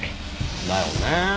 だよね。